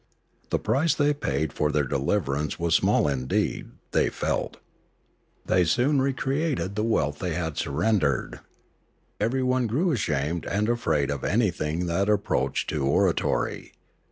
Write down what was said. The price they paid for their deliverance was small indeed, they felt. They soon recreated the wealth they had surrendered. Everyone grew ashamed and afraid of anything that approached to oratory.